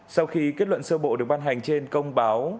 sau khi kết luận sơ bộ được ban hành trên công báo